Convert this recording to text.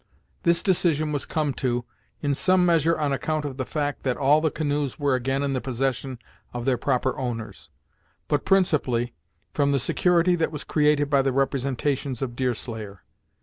This decision was come to, in some measure on account of the fact that all the canoes were again in the possession of their proper owners, but principally, from the security that was created by the representations of Deerslayer.